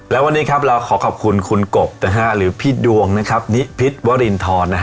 และวันนี้ครับเราขอขอบคุณคุณกบหรือพี่ดวงนิพิษวรินทร